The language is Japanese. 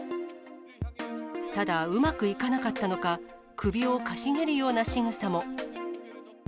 ただ、うまくいかなかったのか、首をかしげるようなしぐさも。